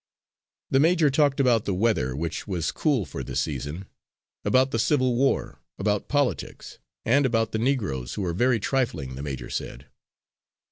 The major talked about the weather, which was cool for the season; about the Civil War, about politics, and about the Negroes, who were very trifling, the major said.